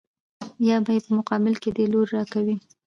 يا به يې په مقابل کې دې لور را کوې.